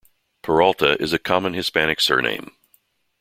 Peralta is a common Hispanic surname.